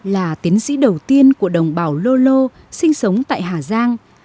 là tiến sĩ đầu tiên của đồng bào lô lô sinh sống tại hà giang